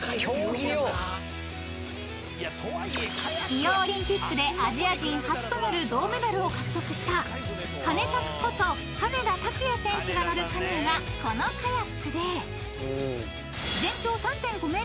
［リオオリンピックでアジア人初となる銅メダルを獲得したハネタクこと羽根田卓也選手が乗るカヌーがこのカヤックで］